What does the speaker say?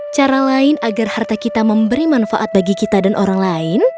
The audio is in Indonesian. cara lain agar harta kita memberi manfaat bagi kita dan orang lain